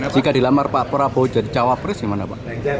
jika dilamar pak prabowo jadi jawab resmi gimana pak